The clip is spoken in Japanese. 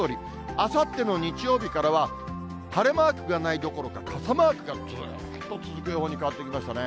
あさっての日曜日からは晴れマークがないどころか、傘マークがずーっと続く予報に変わってきましたね。